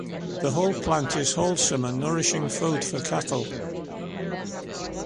The whole plant is a wholesome and nourishing food for cattle.